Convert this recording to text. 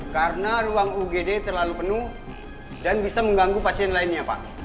karena ruang ig quel follow aku terlalu penuh dan bisa mengganggu pasien lainnya pak